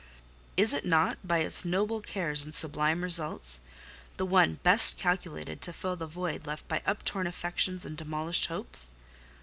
Is it not, by its noble cares and sublime results, the one best calculated to fill the void left by uptorn affections and demolished hopes?